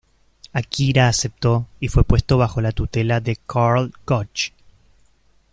Akira aceptó y fue puesto bajo la tutela de Karl Gotch.